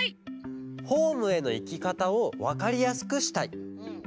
「ホームへのいきかたをわかりやすくしたい」。